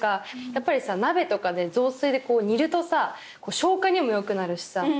やっぱりさ鍋とか雑炊で煮るとさ消化にもよくなるしさ。